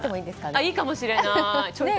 いいかもしれない。